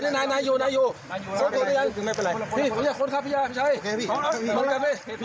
พี่ชายโปรดไหม